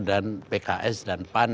dan pks dan pan